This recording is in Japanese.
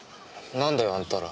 なんだよ？あんたら。